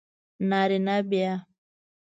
نارینه بیا